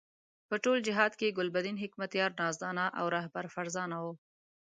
په ټول جهاد کې ګلبدین حکمتیار نازدانه او رهبر فرزانه وو.